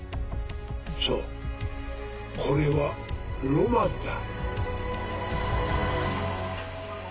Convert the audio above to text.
そうこれはロマンだ。